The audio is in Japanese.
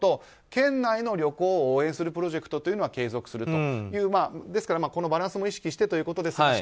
県内の旅行を応援するプロジェクトは継続するというバランスも意識してということです。